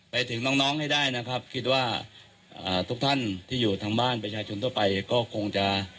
ไปถึงน้องน้องให้ได้นะครับคิดว่าทุกท่านที่อยู่ทางบ้านประชาชนทั่วไปก็คงจะ